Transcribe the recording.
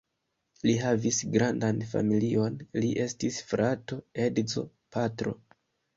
Li havis grandan familion: li estis frato, edzo, patro.